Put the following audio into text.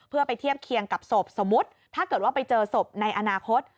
เพื่อไปเทียบเคียงกับศพสมมุติถ้าเกิดว่าไปเจอศพในอนาคต